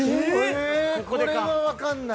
ええこれはわかんない。